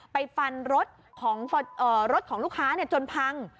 ไปฟันรถของลูกค้าจนพัง